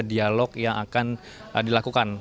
dialog yang akan dilakukan